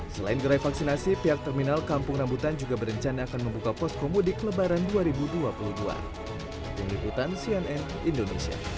selain gerai vaksinasi pihak terminal kampung rambutan juga berencana akan membuka posko mudik lebaran dua ribu dua puluh dua